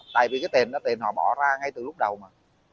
tại vì cái tiền đó tiền họ bỏ ra ngay từ lúc đầu mà